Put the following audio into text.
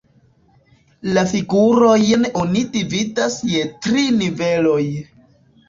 La figurojn oni dividas je tri niveloj.